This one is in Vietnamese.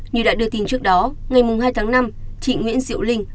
như đã đưa tin trước đó ngày hai tháng năm chị nguyễn diệu linh